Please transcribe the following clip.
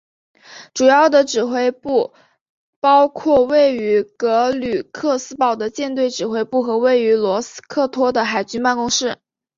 主要的指挥部包括位于格吕克斯堡的舰队指挥部和位于罗斯托克的海军办公室。